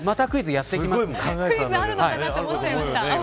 あるのかと思っちゃいました。